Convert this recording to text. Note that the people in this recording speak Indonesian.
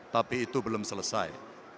tapi itu belum selesai